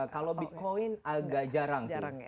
kalau bitcoin agak jarang sih